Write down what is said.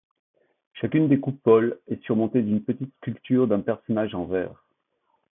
Chacune des coupoles est surmontée d'une petite sculpture d'un personnage en verre.